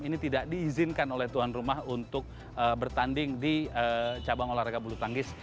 ini tidak diizinkan oleh tuan rumah untuk bertanding di cabang olahraga bulu tangkis